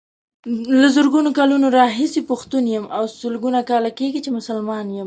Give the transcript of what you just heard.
له زرګونو کلونو راهيسې پښتون يم او سلګونو کاله کيږي چې مسلمان يم.